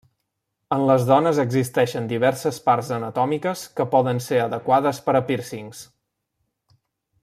En les dones existeixen diverses parts anatòmiques que poden ser adequades per a pírcings.